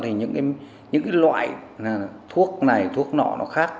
thì những loại thuốc này thuốc nọ nó khác